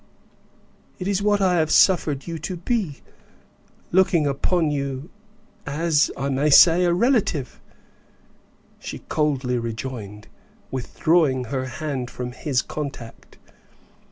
"It is what I have suffered you to be, looking upon you as, I may say, a relative," she coldly rejoined, withdrawing her hand from his contact.